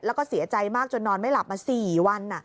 แล้วก็เสียใจมากจนนอนไม่หลับมา๔วัน